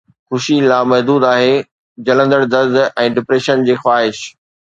خوشي لامحدود آهي، جلندڙ درد ۽ ڊپريشن جي خواهش